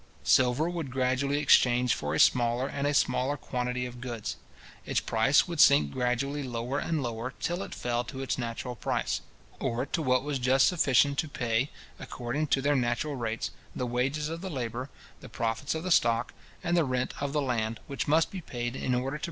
Silver would gradually exchange for a smaller and a smaller quantity of goods. Its price would sink gradually lower and lower, till it fell to its natural price; or to what was just sufficient to pay, according to their natural rates, the wages of the labour, the profits of the stock, and the rent of the land, which must be paid in order to bring it from the mine to the market.